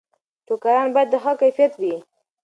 ټوکران باید د ښه کیفیت وي.